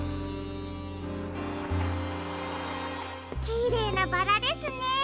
きれいなバラですね。